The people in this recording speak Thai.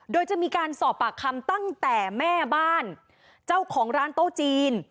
โดยจะมีการสอบปากคำตั้งแต่แม่บ้านเจ้าของร้านโต๊ะจีน